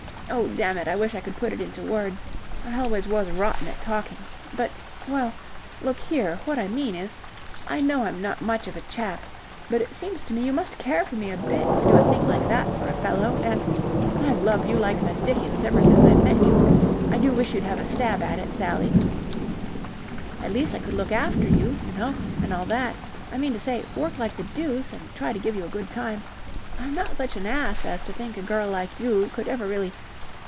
Oh, dammit, I wish I could put it into words. I always was rotten at talking. But... well, look here, what I mean is, I know I'm not much of a chap, but it seems to me you must care for me a bit to do a thing like that for a fellow... and... I've loved you like the dickens ever since I met you... I do wish you'd have a stab at it, Sally. At least I could look after you, you know, and all that... I mean to say, work like the deuce and try to give you a good time... I'm not such an ass as to think a girl like you could ever really...